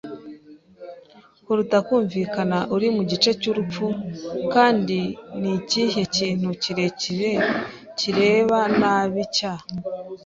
kuruta kumvikana, "uri mu gice cy'urupfu, kandi ni ikihe kintu kirekire kireba nabi, cya